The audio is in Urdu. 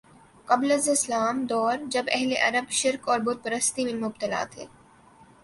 قبل از اسلام دور جب اہل عرب شرک اور بت پرستی میں مبتلا تھے